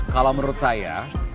kalau menurut saya